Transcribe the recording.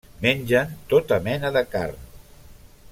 Mengen tota mena de carn.